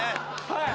はい。